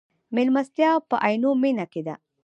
مېلمستیا په عینومېنه کې ده.